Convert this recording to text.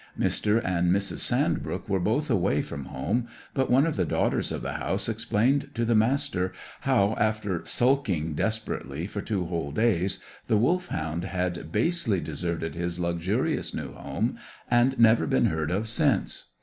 Mr. and Mrs. Sandbrook were both away from home, but one of the daughters of the house explained to the Master how, after "sulking desperately for two whole days," the Wolfhound had basely deserted his luxurious new home, and never been heard of since.